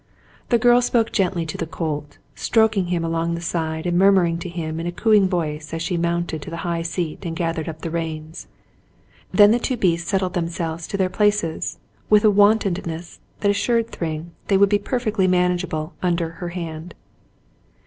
The girl spoke gently to the colt, stroking him along the side and murmuring to him in a cooing voice as she mounted to the high seat and gathered up the reins. Then the two beasts settled themselves to their places with a wontedness that assured Thryng they would be perfectly manageable under her hand.